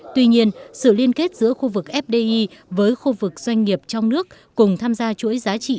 tuy nhiên sự liên kết giữa khu vực fdi với khu vực doanh nghiệp trong nước cùng tham gia chuỗi giá trị